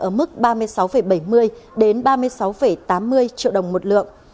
ở mức ba mươi sáu bảy mươi đến ba mươi sáu tám mươi triệu đồng một lượng